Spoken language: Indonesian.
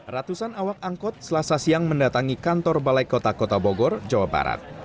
ratusan awak angkot selasa siang mendatangi kantor balai kota kota bogor jawa barat